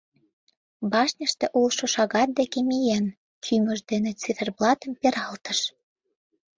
Башньыште улшо шагат деке миен, кӱмыж дене циферблатым пералтыш.